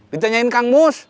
dicanyain kang mus